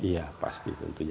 iya pasti tentu